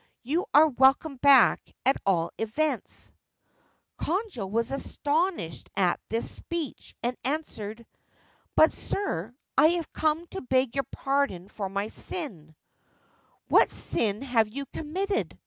You are welcome back, at all events/ Konojo was astonished at this speech, and answered :* But, sir, I have come to beg pardon for my sin/ * What sin have you committed